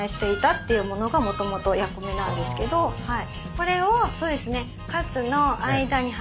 それをそうですね。